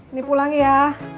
ini pulang ya